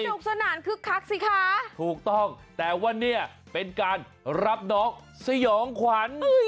สนุกสนานคึกคักสิคะถูกต้องแต่ว่าเป็นการรับนอกสยองขวัญ